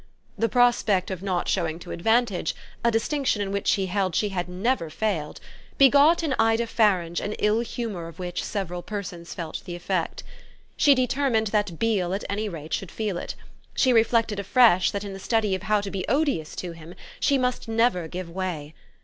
The prospect of not showing to advantage, a distinction in which she held she had never failed, begot in Ida Farange an ill humour of which several persons felt the effect. She determined that Beale at any rate should feel it; she reflected afresh that in the study of how to be odious to him she must never give way.